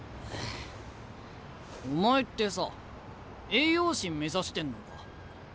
お前ってさあ栄養士目指してんのか？